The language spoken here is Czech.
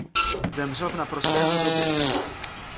Zemřel v naprosté chudobě.